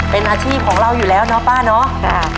เป็นอาชีพของเราอยู่แล้วเนาะป้าเนาะ